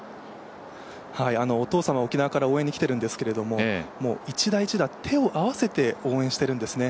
お父様が沖縄から応援に来ているんですけど、一打一打手を合わせて応援してるんですね。